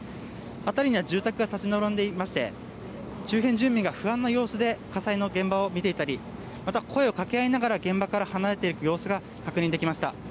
辺りには住宅が立ち並んでいまして周辺住民が不安な様子で火災の様子を見ていたり声をかけ合いながら現場から離れていく様子が確認できました。